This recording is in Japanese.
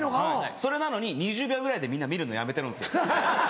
それなのに２０秒ぐらいでみんな見るのやめてるんですよ。